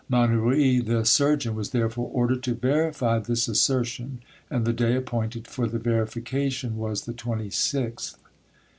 Mannouri, the surgeon, was therefore ordered to verify this assertion, and the day appointed for the verification was the 26th.